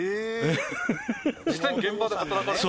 実際に現場で働かれた？